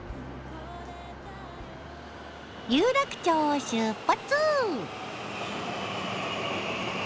有楽町を出発！